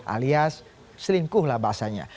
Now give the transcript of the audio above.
alias selingkuhlah bahasanya